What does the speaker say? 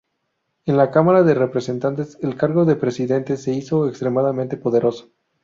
En la Cámara de Representantes, el cargo de Presidente se hizo extremadamente poderoso.